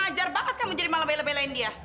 kurang ajar banget kamu jadi malah bela belain dia